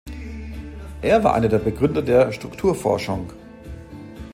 Er war einer der Begründer der "Strukturforschung".